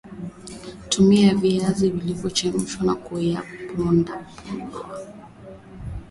Tumia viazi vilivyo chemshwa na kupondwapondwa